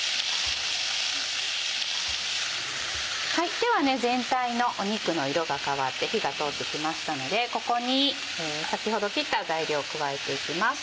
では全体の肉の色が変わって火が通ってきましたのでここに先ほど切った材料を加えていきます。